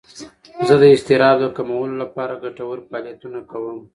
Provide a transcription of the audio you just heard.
زه د اضطراب د کمولو لپاره ګټور فعالیتونه کوم.